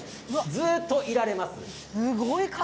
ずっと見られます。